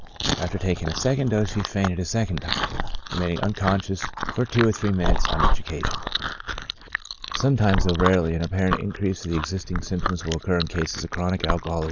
After taking a second dose, she fainted a second time, remaining unconscious for two or three min utes on each occasion. Sometimes, though rarely, an apparent increase of the existing symptoms will occur in cases of chronic alcoholism *" Proceedings of the Royal Society."